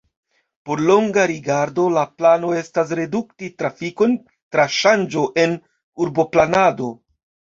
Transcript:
Por longa rigardo la plano estas redukti trafikon tra ŝanĝo en urboplanado.